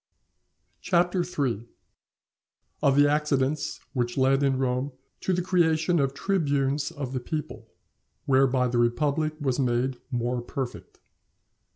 CHAPTER III.—Of the Accidents which led in Rome to the creation of Tribunes of the People; whereby the Republic was made more perfect.